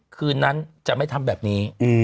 คืนนั้นจะไม่ทำแบบนี้